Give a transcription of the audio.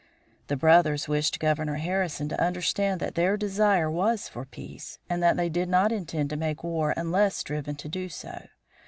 The brothers wished Governor Harrison to understand that their desire was for peace, and that they did not intend to make war unless driven to do so.